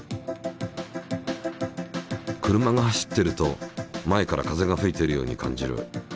車が走っていると前から風がふいているように感じる。